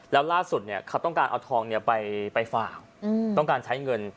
เขาต้องการเอาทองไปฝ่าต้องการใช้เงิน